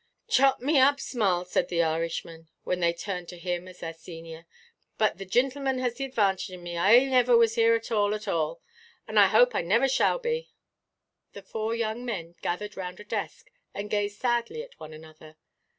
"Chop me up smarl," said the Irishman, when they turned to him as their senior, "but the gintleman has the advantage o' me. I niver was here at all, at all; and I hope I niver shall be." The four young men gathered round a desk, and gazed sadly at one another.